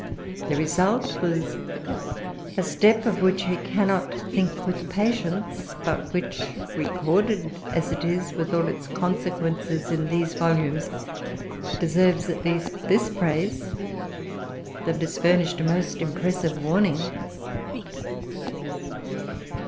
The result was a step of which we cannot think with patience, but which, recorded as it is, with all its consequences, in these volumes, deserves at least this praise, that it has furnished a most impressive warning.